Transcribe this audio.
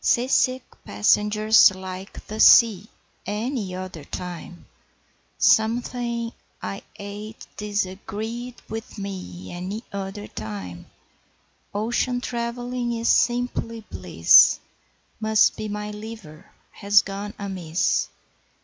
Seasick passengers like the sea Any other time. 'Something .. I ate .. disagreed .. with me! Any other time Ocean trav'lling is .. simply bliss, Must be my .. liver .. has gone amiss